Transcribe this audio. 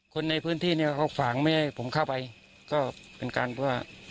คนในพื้นที่เนี่ยเขาฝางไม่ให้ผมเข้าไปก็เป็นการเพื่อ